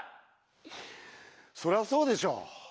そりゃあそうでしょう。